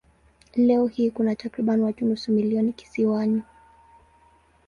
Leo hii kuna takriban watu nusu milioni kisiwani.